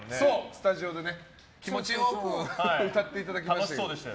スタジオで気持ちよく歌っていただいて。